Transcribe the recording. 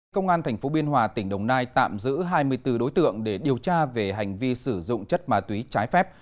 công an tp biên hòa tỉnh đồng nai tạm giữ hai mươi bốn đối tượng để điều tra về hành vi sử dụng chất ma túy trái phép